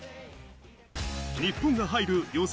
日本が入る予選